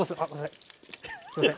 すいません。